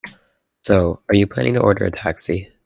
So, are you planning to order a taxi?